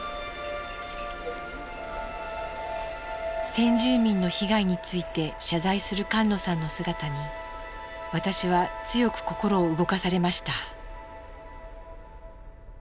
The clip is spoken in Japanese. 先住民の被害について謝罪する菅野さんの姿に私は強く心を動かされました。